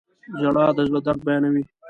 • ژړا د زړه درد بیانوي.